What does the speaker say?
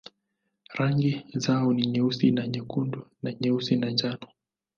Rangi zao ni nyeusi na nyekundu au nyeusi na njano.